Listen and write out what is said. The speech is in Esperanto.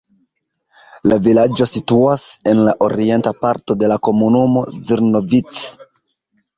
La vilaĝo situas en la orienta parto de la komunumo Zrnovci.